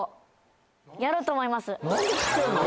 何で知ってんの？